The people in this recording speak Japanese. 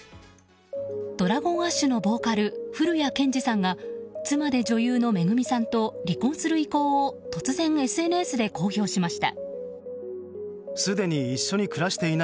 ＤｒａｇｏｎＡｓｈのボーカル、降谷建志さんが妻で女優のＭＥＧＵＭＩさんと離婚する意向を突然、ＳＮＳで公表しました。